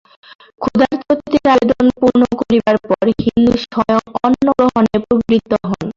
ক্ষুধার্ত অতিথির আবেদন পূর্ণ করিবার পর হিন্দু স্বয়ং অন্নগ্রহণে প্রবৃত্ত হন।